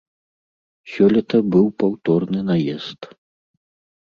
Сёлета быў паўторны наезд.